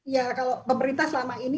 ya kalau pemerintah selama ini